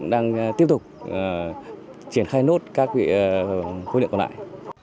đang tiếp tục triển khai nốt các vị khối lượng còn lại